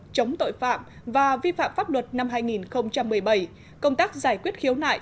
chống tội phạm và vi phạm pháp luật năm hai nghìn một mươi bảy công tác giải quyết khiếu nại